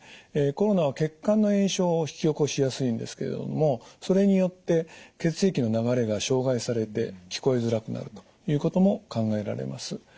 コロナは血管の炎症を引き起こしやすいんですけれどもそれによって血液の流れが障害されて聞こえづらくなるということも考えられます。